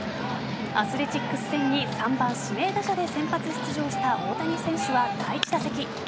アスレチックス戦に３番指名打者で先発出場した大谷選手は第１打席。